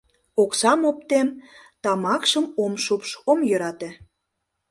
Оксам оптем, тамакшым ом шупш, ом йӧрате.